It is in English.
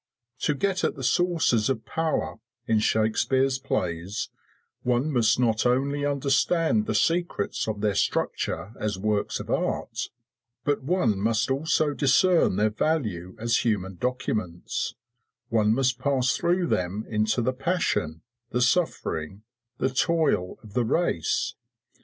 To get at the sources of power in Shakespeare's plays, one must not only understand the secrets of their structure as works of art, but one must also discern their value as human documents; one must pass through them into the passion, the suffering, the toil of the race.